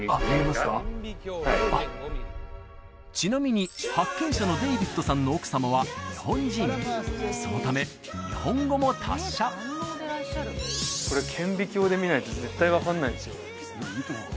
ちなみに発見者のデイビットさんの奥様は日本人そのため日本語も達者これ顕微鏡で見ないと絶対分かんないですよ